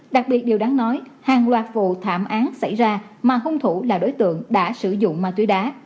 đặc biệt điều đáng nói hàng loạt vụ thảm án xảy ra mà hung thủ là đối tượng đã sử dụng ma túy đá